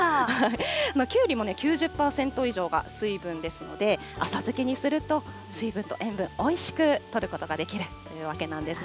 きゅうりもね、９０％以上が水分ですので、浅漬けにすると水分と塩分、おいしくとることができるというわけなんですね。